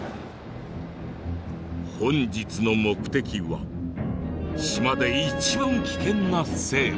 本日の目的は島で一番危険な生物。